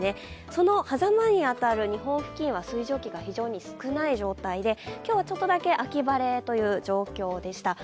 その狭間に当たる日本付近は水蒸気が非常に少ない状態で今日は、ちょっとだけ秋晴れという状況でした。